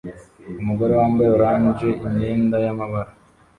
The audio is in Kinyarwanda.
Umugore wambaye orange imyenda yamabara